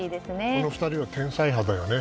この２人は天才肌よね。